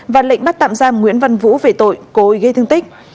và lệnh bắt tạm giam nguyễn văn vũ về tội cố ý gây thương tích